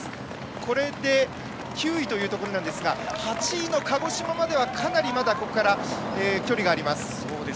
これで９位というところですが８位の鹿児島まではかなりまだここから距離があります。